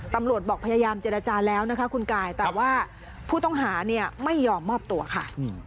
ตำรวจบอกพยายามเจรจาแล้วนะคะคุณกายแต่ว่าผู้ต้องหาเนี่ยไม่ยอมมอบตัวค่ะ